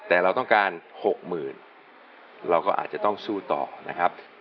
แต่เราต้องการ๖๐๐๐เราก็อาจจะต้องสู้ต่อนะครับ